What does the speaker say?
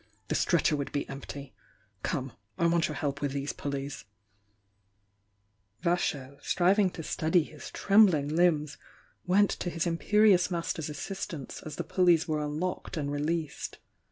The stretcher would be empty! Come, — I want your help with these pulleys." Vasho, striving to steady his trembling limbs, went to his imperious master's assistance as the pul leys were unlocked and released.